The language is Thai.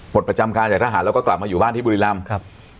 ประจำการจากทหารแล้วก็กลับมาอยู่บ้านที่บุรีรำครับ